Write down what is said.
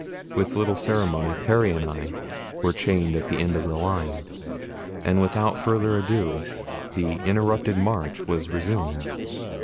With little ceremony Perry and I were chained at the end of the line, and without further ado the interrupted march was resumed.